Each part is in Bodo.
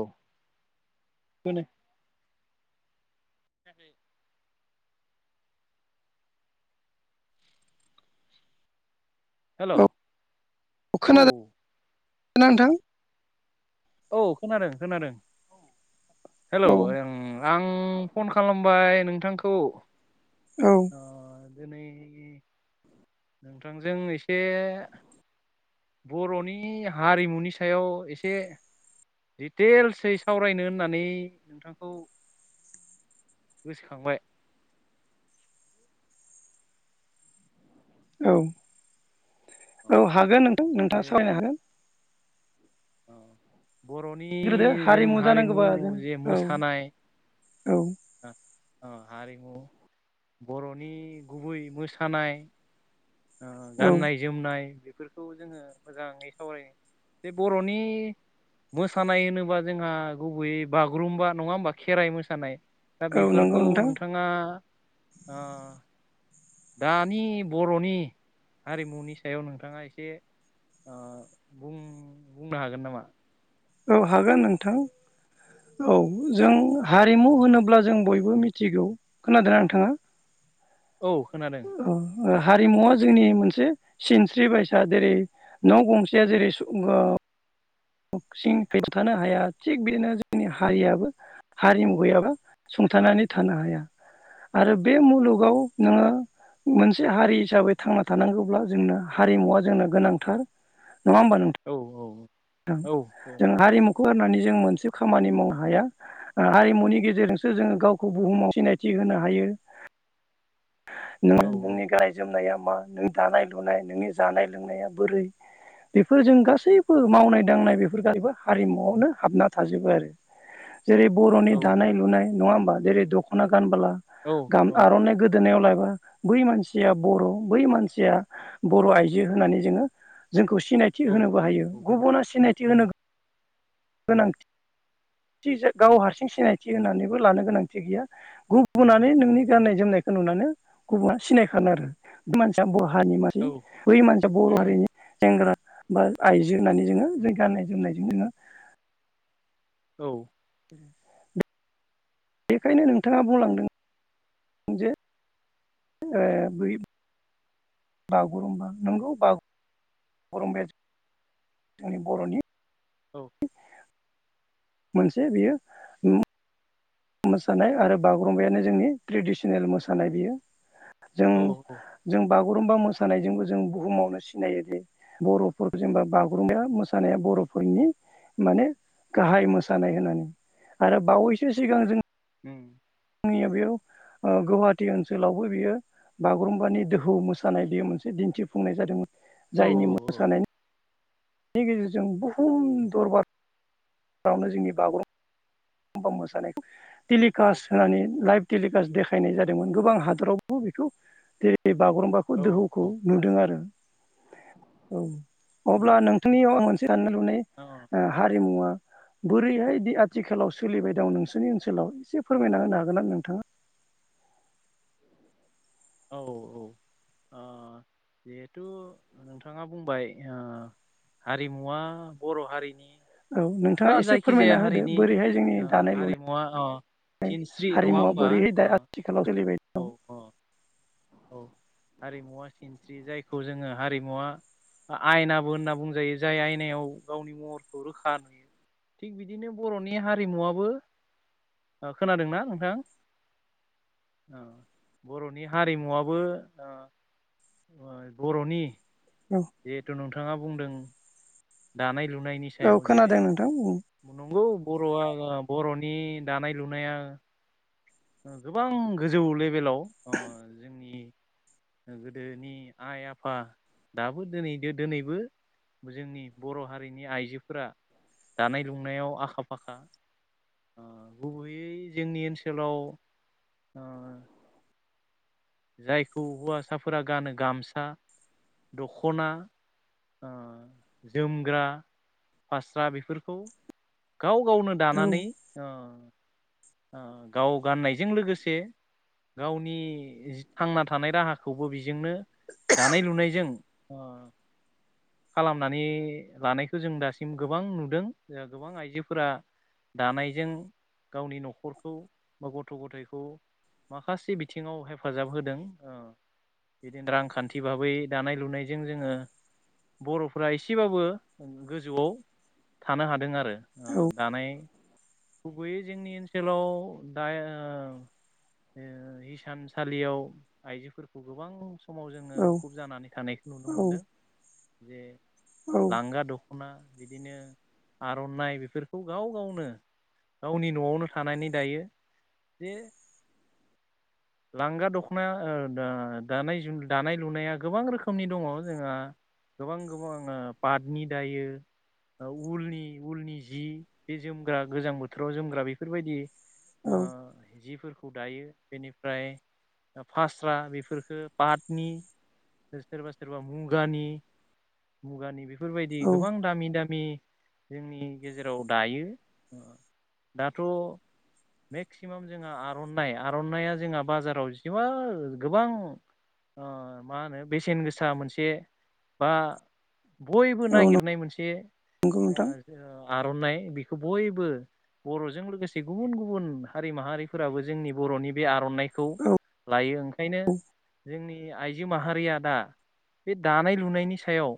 औ [unintelligible] हेलौ खोनादों ना नोंथां औ खोनादों खोनादों हेलौ औ ओ आं अ फन खालामबाय नोंथांखौ औ ओ दिनै नोंथांजों एसे बर'नि हारिमुनि सायाव एसे दिटेल्सै सावरायनो होननानै नोंथांखौ गोसोखांबाय औ औ हागोन नोंथां जे नोंथाङा सावरायनो हागोन बर'नि ग्रोदो जों हारिमु जानांगौबा जों जे औ मोसानाय औ अ हारि ओ बर'नि गुबै मोसानाय ओ औ गाननाय जोमनाय बे फोरखौ जोङो मोजाङै सावरायो जे बर'नि मोसानाय होनोबा जोंहा गुबैयै बागुरुम्बा नङा होमबा खेराइ मोसानाय दा औ नंगौ बेफोरखौ नोंथां नोंथाङा ओ दानि बर'नि हारिमुनि सायाव नोंथाङा एसे ओ बुं-बुंनो हागोन नामा औ हागोन नोंथां औ जों हारिमु होनोब्ला जों बयबो मिथिगौ खोनादोना नोंथाङा औ खोनादों ओ हारिमुवा जोंनि मोनसे सिनस्रि बायसा जेरै न' गंसेया जेरै सुबुं ओ सिं खै थानो हाया थिग बेदिनो जोंनि हारियाबो हारिमु गैयाबा सं थानानै थानो हाया आरो बे मुलुगाव नोङो मोनसे हारि हिसाबै थांना थानांगौब्ला जोंनो हारिमुवा जोंनो गोनांथार औ ओं औ जों हारिमु खौ गारनानै जों मोनसे खामानि मावनो हाया ओ हारिमुनि गेजेरजोंसो जोङो गावखौ बुहुमाव सिनायथि होनो हायो [inaudible] औ नोङो नोंनि गाननाय जोमनाया मा नों दानाय लुनाय नोंनि जानाय लोंनाया बोरै बेफोर जों गासैबो मावनाय दांनाय बेफोर गारैबो हारिमुआवनो हाबना थाजोबो आरो जेरै औ बर'नि दानाय लुनाय नङा होमबा जेरै दख'ना गानबोला गाम आर'नाइ गोदोनायाव ला ब्ला बै मानसिया बर' बै मानसिया बर' आइजो होननानै जोङो जोंखौ सिनायथि औ होनोबो हायो गुबुना सिनायथि होनो गोनां थिजो गाव हारसिं सिनायथि होनानैबो लानो गोनांथि गैया गुबुनानो नोंनि गाननाय जोमनाय खो नुनानो गुबुना सिनायखागोन आरो बि मानसिया बर' हारिनि मानसि बै मानसिया बर' हारिनि सेंग्रा बा आइजो होननानै जोङो जों गान्नाय जोमनायजों जोङो औ [inaudible] बेखायनो नोंथाङा बुंलांदों जे ओ बै बागुरुम्बा नोंगौ बागुरुम्बाया जोंनि बर'नि औ मोनसे बियो ओम मोसानाय आरो बागुरुम्बायानो जोंनि ट्रिडिसनेल मोसानाय बियो औ जों-जों बागुरुम्बा मोसानायजोंबो जों बुहुमावनो सिनायोदि बर'फोर जेनबा बागुरुमबा मोसानाया ब बर'फोरनि माने गाहाय मोसानाय होननानै आरो बावैसो सिगां जों ओम आंनिया बेयाव ओ गुवाहाटि ओनसोलावबो बियो बागुरुम्बानि दोहौ मोसानाय बेयो मोनसे दिन्थिफुंनाय जादों जायनि मोसानाय नि गेजेरजों बुहुम दरबारावनो जोंनि बागुरुम् बा मोसानायखौ टिलिकास्ट होनानै लाइभ टेलिकास्ट देखायनाय जादोंमोन गोबां हादरावबो बे खौ जेरै बागुरुम्बाखौ औ दोहौखौ औ नुदों आरो औ औ अब्ला नोंथांनियाव आं मोनसे हाननो लुनाय अ औ हारिमुवा बोरैहायदि आथिखालाव सोलिबाय दं नोंसोरनि ओनसोलाव एसे फोरमायना होनो हागोन ना नोंथाङा औ औ औ ओ जिहेतु नोंथाङा बुंबाय ओह हारिमुवा बर हारिनि औ नोंथाङा बा इसे जायखिजाया फोरमायना होदो हारिनि बोरैहाय जोंनि ओ दानाय हारिमुवा अ लुनाय आय सिनस्रि नङा हारिमुवा होमबा बोरैहाय अ दा आथिखालाव सोलिबाय औ दं अ औ हारिमुवा सिनस्रि जायखौ जोंङो हारिमुवा ओ आयनाबो होनना बुंजायो जाय आयनायाव गावनि महरखौ रोखा नुयो थिग बिदिनो बरनि हारिमुवाबो ओ खोनादोंना नोंथां [inaudible] ओ बरनि हारिमु फङाबो ओह ओ बरनि औ जिहेतु नोंथाङा बुंदों दानाय लुन नायनि औ सायाव जे खोनादों नोंथां औ नंगौ बर'आ ओ बरनि दानाय लुनाया ओ गोबां गोजौ लेबेलाव अह जोंनि ओ गोदोनि आइ आफा दाबो दोनैदो दोनैबो जोंनि बर हारिनि आइजोफोरा दानाय लुनायाव आखा फाखा ओ गुबैयै जोंनि ओनसोलाव ओ जायखौ हुवासाफोरा गानो गामसा दखना ओह जोमग्रा फास्रा बेफोरखौ गाव गावनो दानानै औ ओ अ गाव गाननायजों लोगोसे गावनि जि थांना थानाय राहाखौबो बिज जोंनो दानाय लुनायजों अह खालामनानै लानायखो जों दासिम गोबां नुदों ओ गोबां आइजोफोरा दानायजों गावनि न'खरखौ बा गथ' गथायखौ माखासे बिथिङाव हेफाजाब होदों अह बिदिन रांखान्थि भाबै दानाय लुनायजों जोंङो बर'फोरा इसेबाबो ओं गोजौआव थानो हादों आरो अह दानाय गुबैयै जोंनि ओनसोलाव दाय ओह ओह हिसानसालियाव आइजोफोरखौ गोबां मुंस समाव जोंङो औ मुखुब जानानै थानायखौ नुनो मोनदों जेह औ लांगा दख'ना बिदिनो आरनाइ बेफोरखौ गाव गावनो गावनि नआवनो थानानै दायो जे लांगा दखना ओह दा दानायजों दानाय लुनाया गोबां रोखोमनि दङ जोंहा गोबां गोबां ओह पाटनि दायो ओ उलनि उलनि जि बे जोमग्रा गोजां बोथोराव जोमग्रा बेफोरबायदि ओ औ जिफोर खौ दायो बेनिफ्राय ओह फास्रा बेफोरखो बाटनि सोर सोरबा सोरबा मुगानि मुगानि बेफोरबायदि गोबां औ दामि दामि जोंनि गेजेराव दायो अह दाथ' मेक्सिमाम जोंहा आरनाइ आरनाइया जोंहा बाजाराव जोबोर गोबां ओ मा होनो बेसेन गो बा बयबो औ नागिरनाय मोनसे नंगौ ओ नोंथां जो आरनाइ बेख खौ बयबो बरजों लोगोसे गुबुन गुबुन हारि माहारिफोराबो जोंनि बरनि बे आरनाइ खौ औ लायो ओंखायनो जोंनि नि आइजो माहारिया दा बे दानाय लुनायनि सायाव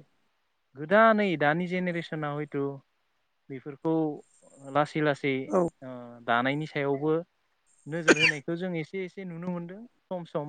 दा नै दानि जेनेरैसन आव जिहेथु बिफोरखौ लासै लासै औ ओ दानायनि सायावबो नोजोर होनायखौ जों एसे एसे नुनो मोनदों सम सम।